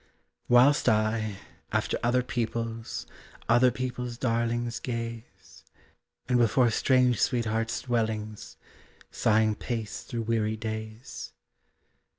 Whilst I, after other people's, Others people's darlings gaze, And before strange sweethearts' dwellings Sighing pace through weary days.